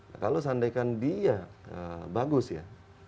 nah kalau seandainya dia bagus ya